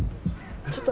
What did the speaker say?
ちょっと。